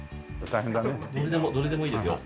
どれでもどれでもいいですよ。